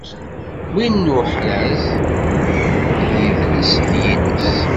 Win n uḥraz n yidles d yiles.